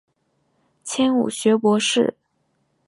迁武学博士。